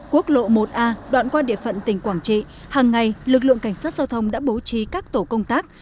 quốc lộ một a đoạn qua địa phận tỉnh quảng trị hằng ngày lực lượng cảnh sát giao thông đã bố trí các tổ công tác